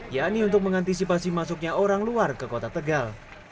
yakni untuk mengantisipasi masuknya orang luar ke kota tegal